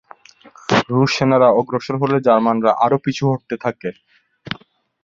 রুশ সেনারা অগ্রসর হলে জার্মানরা আরও পিছু হটতে থাকে।